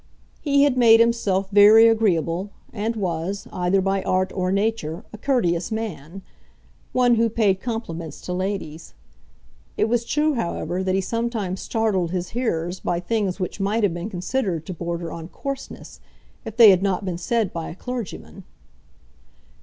He had made himself very agreeable, and was, either by art or nature, a courteous man, one who paid compliments to ladies. It was true, however, that he sometimes startled his hearers by things which might have been considered to border on coarseness if they had not been said by a clergyman.